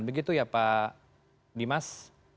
begitu ya pak dimas